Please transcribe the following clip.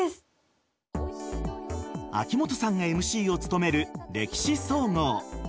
秋元さんがＭＣを務める「歴史総合」。